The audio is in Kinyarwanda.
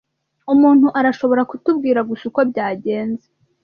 Umuntu arashobora kutubwira gusa uko byagenze?